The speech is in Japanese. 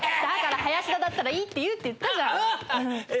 だから林田だったらいいって言うって言ったじゃん。